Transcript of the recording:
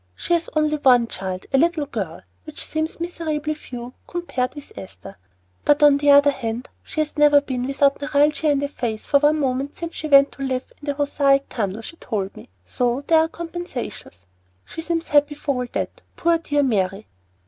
She has only one child, a little girl, which seems miserably few compared with Esther, but on the other hand she has never been without neuralgia in the face for one moment since she went to live in the Hoosac Tunnel, she told me, so there are compensations. She seems happy for all that, poor dear Mary.